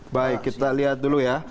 baik kita lihat dulu ya